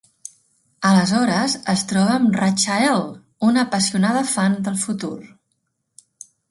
Aleshores es troba amb Rachael, una apassionada fan del futur.